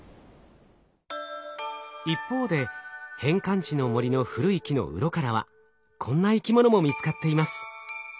一方で返還地の森の古い木のうろからはこんな生き物も見つかっています。